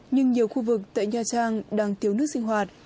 nhưng nhiều khu vực tại nha trang đang thiếu nước sinh hoạt